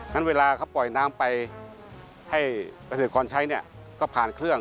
งั้นเวลาเขาปล่อยน้ำไปให้ประสิทธิ์ก่อนใช้เนี่ยก็ผ่านเครื่อง